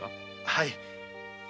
はい。